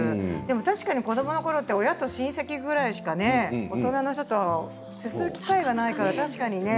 確かに子どものころって親と親戚ぐらいしか大人の人と接する機会がないから確かにね。